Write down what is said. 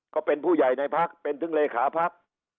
ก็เป็นผู้ใหญ่ในภักรณ์เป็นถึงเลขาภักรณ์